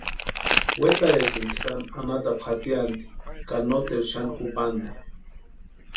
Wetarhisïnti sáani anhatapu jatsianti ka noteru xani kupanta.